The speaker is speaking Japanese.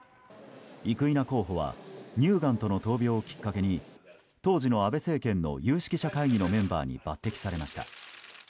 生稲候補は乳がんとの闘病をきっかけに当時の安倍政権の有識者会議のメンバーに抜擢されました。